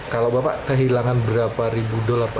kalau bapak kehilangan berapa ribu dolar pak